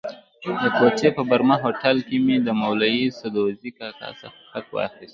د کوټې په برمه هوټل کې مې له مولوي سدوزي کاکا څخه خط واخیست.